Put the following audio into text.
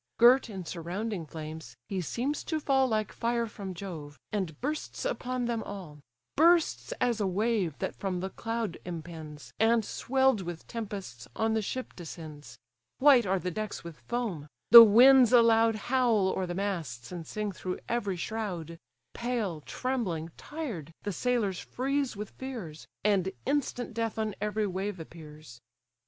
Girt in surrounding flames, he seems to fall Like fire from Jove, and bursts upon them all: Bursts as a wave that from the cloud impends, And, swell'd with tempests, on the ship descends; White are the decks with foam; the winds aloud Howl o'er the masts, and sing through every shroud: Pale, trembling, tired, the sailors freeze with fears; And instant death on every wave appears.